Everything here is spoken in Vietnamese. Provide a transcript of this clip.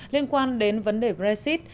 liên quan đến vấn đề brexit